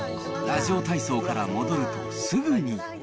ラジオ体操から戻るとすぐに。